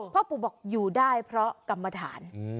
พ่อปู่บอกอยู่ได้เพราะกรรมฐาน